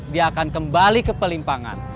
dia akan kembali ke pelimpangan